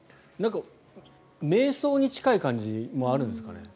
めい想に近い感じもあるんですかね。